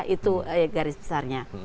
itu garis besarnya